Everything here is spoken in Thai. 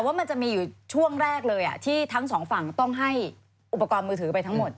ว่ามันจะมีอยู่ช่วงแรกเลยที่ทั้งสองฝั่งต้องให้อุปกรณ์มือถือไปทั้งหมด